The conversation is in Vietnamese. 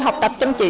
học tập chăm chỉ